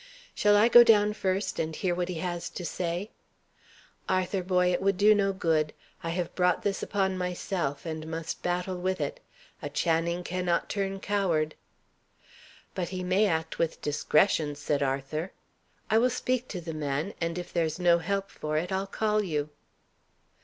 "Shall I go down first, and hear what he has to say?" "Arthur, boy, it would do no good. I have brought this upon myself, and must battle with it. A Channing cannot turn coward!" "But he may act with discretion," said Arthur. "I will speak to the man, and if there's no help for it, I'll call you."